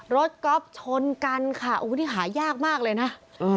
ก๊อฟชนกันค่ะโอ้โหนี่หายากมากเลยนะ